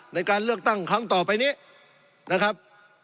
ในการเลือกตั้งครั้งต่อไปนี้นะครับ